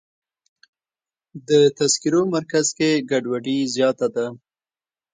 د تذکرو مرکز کې ګډوډي زیاته ده.